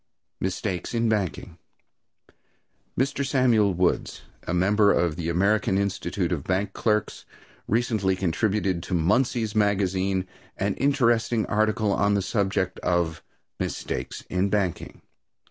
Mistakes in Banking. Mr. Samuel Woods, a member of the American Institute of Bank Clerks, recently contributed to Munsey's Magazine an interesting article on the subject of "Mistakes in Banking."